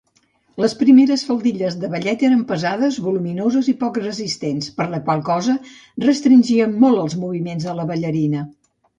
Les primeres faldilles de ballet eren pesades, voluminoses i poc resistents, per la qual cosa restringien molt els moviments de la ballarina.